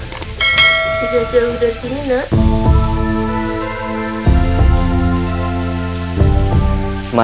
tidak jauh dari sini nak